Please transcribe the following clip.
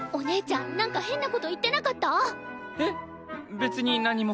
別に何も。